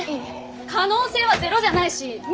可能性はゼロじゃないしみ